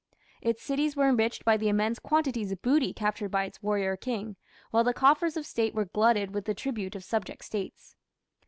Its cities were enriched by the immense quantities of booty captured by its warrior king, while the coffers of state were glutted with the tribute of subject States.